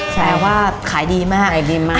แปลว่าขายดีมาก